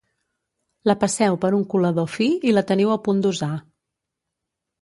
La passeu per un colador fi i la teniu a punt d'usar